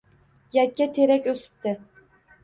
Yakka terak oʼsibdi.